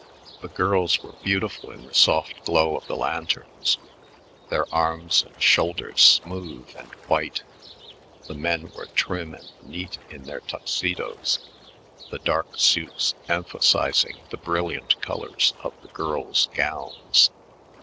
The girls were beautiful in the soft glow of the lanterns, their arms and shoulders smooth and white; the men were trim and neat in their Tuxedos, the dark suits emphasizing the brilliant colors of the girls' gowns.